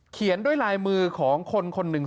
เขียนด้วยลายมือของคนคนหนึ่ง